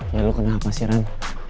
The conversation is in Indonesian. ya lo kenapa sih ran